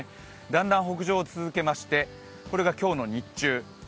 だんだん北上を続けまして、これが今日の日中。